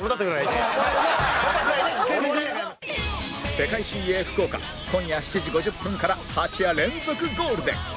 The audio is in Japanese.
『世界水泳福岡』今夜７時５０分から８夜連続ゴールデン